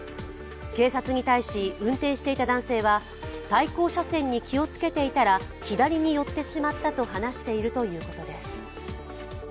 警察に対し運転していた男性は対向車線に気をつけていたら左に寄ってしまったと話しているということです。